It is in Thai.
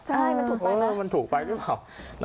ใช่มันถูกไหมมันถูกไปหรือเปล่า